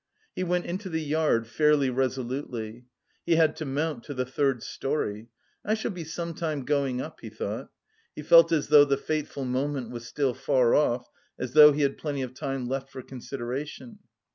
He went into the yard fairly resolutely. He had to mount to the third storey. "I shall be some time going up," he thought. He felt as though the fateful moment was still far off, as though he had plenty of time left for consideration.